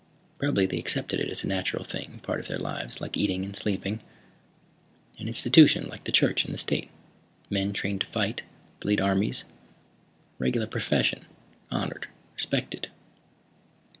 Probably they accepted it as a natural thing, part of their lives, like eating and sleeping. An institution, like the church and the state. Men trained to fight, to lead armies, a regular profession. Honored, respected."